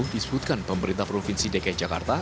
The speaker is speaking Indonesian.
disebutkan pemerintah provinsi dki jakarta